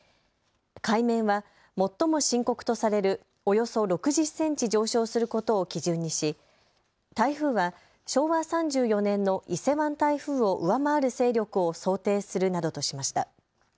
海面は最も深刻とされるおよそ６０センチ上昇することを基準にし、台風は昭和３４年の伊勢湾台風を上回る勢力を想定するなどとしました。